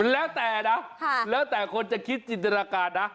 แล้วแต่นะแล้วแต่คนจะคิดจินตนาการนะ